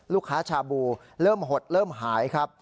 ชาบูเริ่มหดเริ่มหายครับ